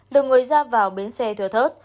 được người ra vào bến xe thừa thớt